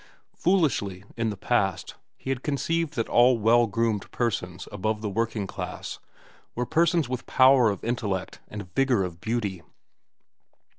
Foolishly, in the past, he had conceived that all well groomed persons above the working class were persons with power of intellect and vigor of beauty.